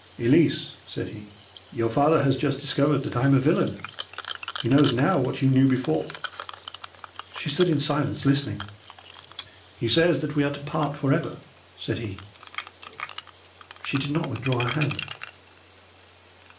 "'Elise,' said he, 'your father has just discovered that I am a villain. He knows now what you knew before.' "She stood in silence, listening. "'He says that we are to part for ever,' said he. "She did not withdraw her hand.